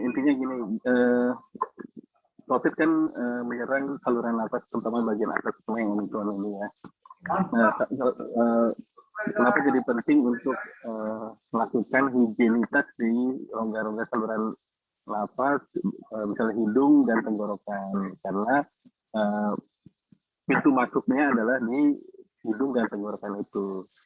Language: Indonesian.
pertama pintu masuknya adalah hidung dan tenggorokan itu